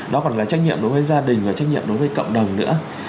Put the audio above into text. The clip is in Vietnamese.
đó còn là trách nhiệm đối với gia đình và trách nhiệm đối với cộng đồng nữa